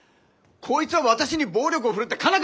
こいつは私に暴力を振るって佳奈